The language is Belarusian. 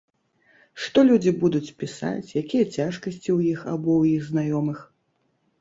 Што людзі будуць пісаць, якія цяжкасці ў іх або ў іх знаёмых.